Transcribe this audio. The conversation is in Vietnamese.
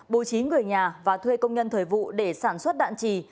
bố trí người nhà và thuê công nhân thời vụ để sản xuất đạn trì